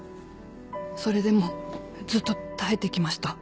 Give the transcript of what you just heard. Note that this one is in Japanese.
それでもずっと耐えてきました。